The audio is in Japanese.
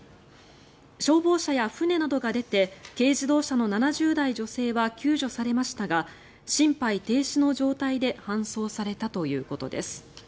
消防車や船などが出て軽自動車の７０代女性は救助されましたが心肺停止の状態で搬送されたということです。